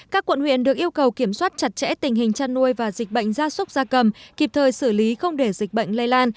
các quận huyện được yêu cầu kiểm soát chặt chẽ tình hình chăn nuôi và dịch bệnh gia súc gia cầm kịp thời xử lý không để dịch bệnh lây lan